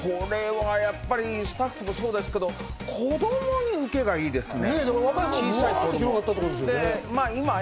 スタッフもそうですけど、子供に受けがいいですね。